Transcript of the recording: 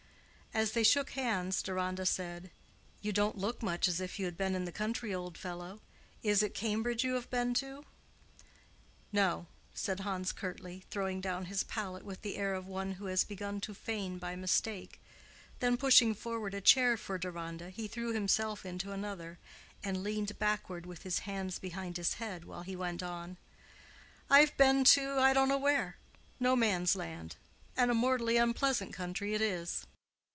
As they shook hands, Deronda said, "You don't look much as if you had been in the country, old fellow. Is it Cambridge you have been to?" "No," said Hans, curtly, throwing down his palette with the air of one who has begun to feign by mistake; then pushing forward a chair for Deronda, he threw himself into another, and leaned backward with his hands behind his head, while he went on, "I've been to I don't know where—No man's land—and a mortally unpleasant country it is."